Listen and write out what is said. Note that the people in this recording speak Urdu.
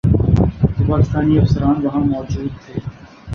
تو پاکستانی افسران وہاں موجود تھے۔